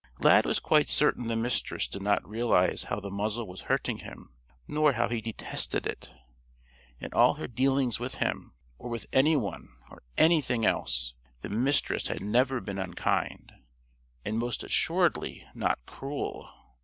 Lad was quite certain the Mistress did not realize how the muzzle was hurting him nor how he detested it. In all her dealings with him or with anyone or anything else the Mistress had never been unkind; and most assuredly not cruel.